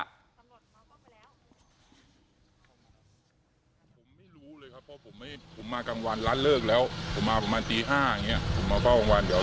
ส่วนชาวบ้านที่อยู่ในระแวกพื้นที่นะครับบอกว่าเมื่อคืนนี้ก็ได้ยินเสียงดังอะไรโวยวายบ้างครับ